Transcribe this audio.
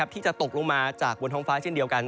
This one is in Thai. ที่จะตกลงมาจากบนท้องฟ้าเช่นเดียวกัน